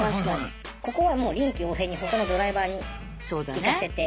ここはもう臨機応変にほかのドライバーに行かせて。